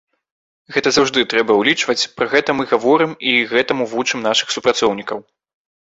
Гэта заўжды трэба ўлічваць, пра гэта мы гаворым і гэтаму вучым нашых супрацоўнікаў.